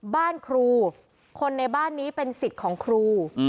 บ้านครูคนในบ้านนี้เป็นสิทธิ์ของครู